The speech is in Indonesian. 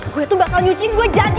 gue tuh bakal nyuciin gue janji